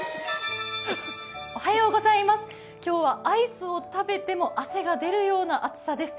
今日はアイスを食べても汗が出るような暑さです。